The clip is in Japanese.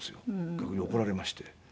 逆に怒られまして。